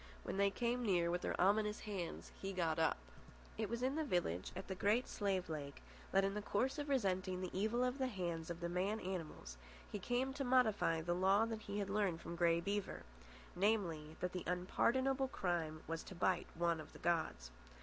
When they came near with their ominous hands, he got up. It was in a village at the Great Slave Lake, that, in the course of resenting the evil of the hands of the man animals, he came to modify the law that he had learned from Grey Beaver: namely, that the unpardonable crime was to bite one of the gods.